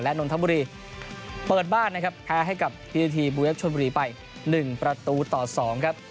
นนทบุรีเปิดบ้านนะครับแพ้ให้กับพิธีทีบูเวฟชนบุรีไป๑ประตูต่อ๒ครับ